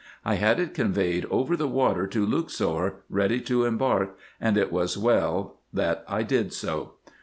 I had it conveyed over the water to Luxor, ready to embark, and it was well that I did so.